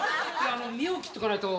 見えを切っとかないと。